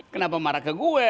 kenapa marah ke gue